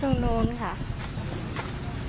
ตรงนู้นค่ะ